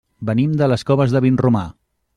Venim de les Coves de Vinromà.